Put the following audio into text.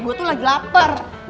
gue tuh lagi lapar